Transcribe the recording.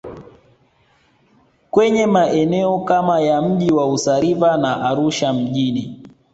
kwenye maeneo kama ya mji wa Usa River na Arusha mjini